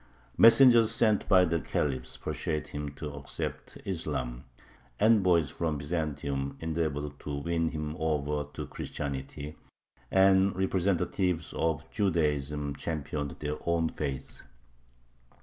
Messengers sent by the Caliph persuaded him to accept Islam, envoys from Byzantium endeavored to win him over to Christianity, and representatives of Judaism championed their own faith.